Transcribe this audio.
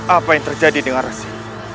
apa yang terjadi dengan resi